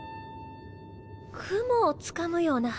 雲をつかむような話ね。